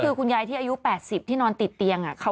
คือคุณยายที่อายุ๘๐ที่นอนติดเตียง